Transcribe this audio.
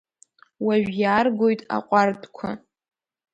Уажә иааргоит аҟәардәқәа…